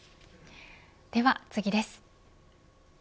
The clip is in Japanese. では次です。